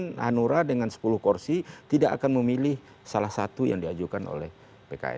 kemudian hanura dengan sepuluh kursi tidak akan memilih salah satu yang diajukan oleh pks